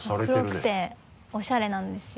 黒くておしゃれなんですよ。